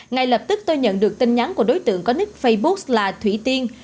ngay lập tức tôi nhận được tin nhắn của đối tượng có nick facebook là thủy tiên